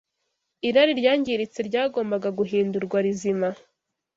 Irari ryangiritse ryagombaga guhindurwa rizima